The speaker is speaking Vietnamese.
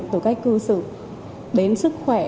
từ cách cư xử đến sức khỏe